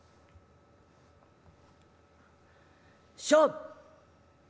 「勝負！